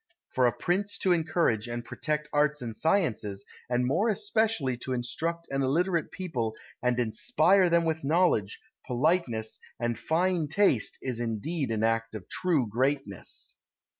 For a prince to encourage and protect arts and sciences, and more especially to instruct an illiterate people and inspire them with knowledge, politeness, and fine taste is indeed an act of true greatness.